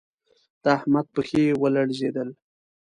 د احمد پښې و لړزېدل